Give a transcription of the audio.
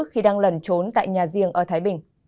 khi đang lẩn trốn tại nhà riêng ở thái bình